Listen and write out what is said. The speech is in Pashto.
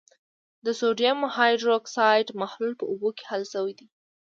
د سوډیم هایدروکسایډ محلول په اوبو کې حل شوی دی.